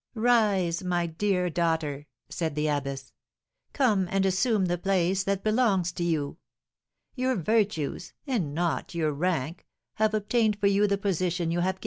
"Rise, my dear daughter," said the abbess; "come and assume the place that belongs to you. Your virtues, and not your rank, have obtained for you the position you have gained."